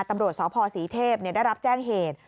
ตำรวจสพศรีเทพได้รับแจ้งเหตุ